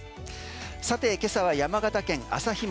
さて今朝は山形県朝日町。